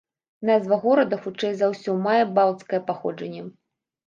Назва горада хутчэй за ўсё мае балцкае паходжанне.